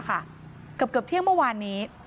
เกือบเที่ยงเมื่อวานนี้